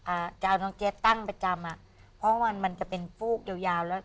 อ่าจะเอาน้องเจ็ดตั้งประจำอ่ะเพราะมันมันจะเป็นฟูกยาวยาวแล้ว